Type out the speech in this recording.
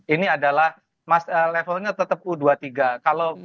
ini adalah levelnya tetap u dua puluh tiga